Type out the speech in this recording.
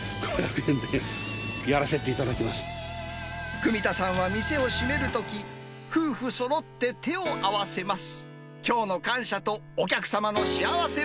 汲田さんは店を閉めるとき、夫婦そろって手を合わせます。